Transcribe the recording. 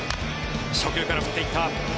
初球から振っていった。